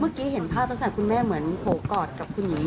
เมื่อกี้เห็นภาพที่คุณแม่เหมือนโหกอดกับคุณหญิงหมอ